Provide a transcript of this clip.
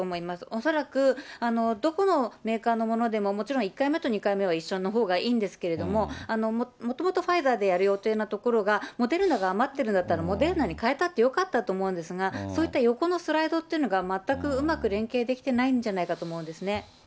恐らくどこのメーカーのものでも、もちろん１回目と２回目は一緒のほうがいいんですけれども、もともとファイザーでやる予定のところが、モデルナが余っているんだったらモデルナに変えたってよかったと思うんですが、そういった横のスライドというのが全くうまく連携できてないんじゃないかなと思いますね。